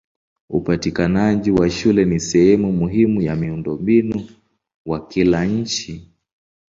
Upatikanaji wa shule ni sehemu muhimu ya miundombinu wa kila nchi.